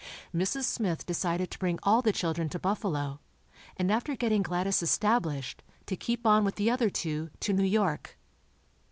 Mrs. Smith decided to bring all the children to Buffalo, and after getting Gladys established, to keep on with the other two, to New York.